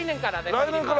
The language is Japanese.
来年から！